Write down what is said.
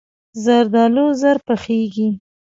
زردالو ژر پخیږي.